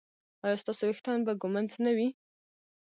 ایا ستاسو ویښتان به ږمنځ نه وي؟